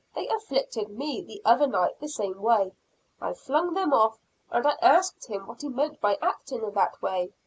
They 'afflicted' me the other night the same way. I flung them off; and I asked him what he meant by acting in that way?